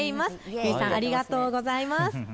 ゆいさん、ありがとうございます。